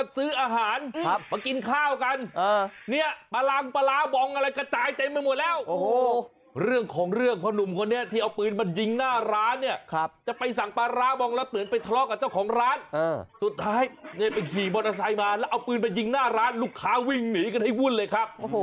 สุดท้ายเนี้ยไปขี่บอตเตอร์ไซค์มาแล้วเอาปืนไปยิงหน้าร้านลูกค้าวิ่งหนีกันให้วุ่นเลยครับโอ้โห